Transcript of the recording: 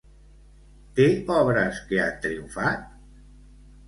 Té obres que han triomfat?